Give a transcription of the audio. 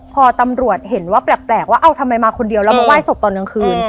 พอตำรวจเห็นว่าแปลกว่าเอ้าทำไมมาคนเดียวแล้วมาไห้ศพตอนกลางคืน